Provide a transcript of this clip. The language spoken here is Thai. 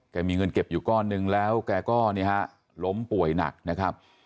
มีเงินเก็บอยู่ก้อนนึงแล้วแกก็ล้มป่วยหนักนะครับ